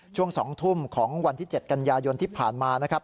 ช่วง๒ทุ่มของวันที่๗กันยายนที่ผ่านมานะครับ